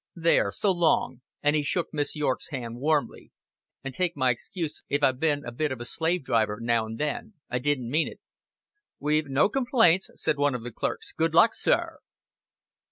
"There, so long," and he shook Miss Yorke's hand warmly. "And take my excuse if I bin a bit of a slave driver now and then. I didn't mean it." "We've no complaints," said one of the clerks. "Good luck, sir!"